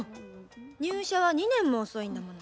入社は２年も遅いんだもの。